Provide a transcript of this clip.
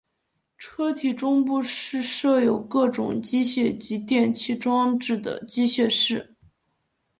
车体中部是设有各种机械及电气装置的机械室。